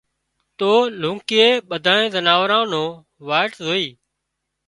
تو لونڪِي ٻڌانئين زناوارن نو واٽ زوئي